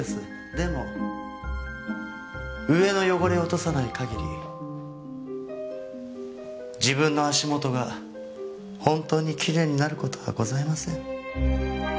でも上の汚れを落とさない限り自分の足元が本当にきれいになる事はございません。